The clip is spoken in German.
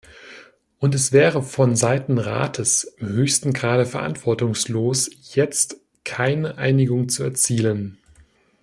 Und es wäre vonseiten Rates im höchsten Grade verantwortungslos, jetzt keine Einigung zu erzielen.